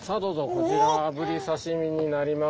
こちらブリ刺身になります。